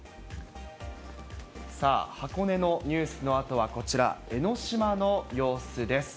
さあ、箱根のニュースのあとはこちら、江の島の様子です。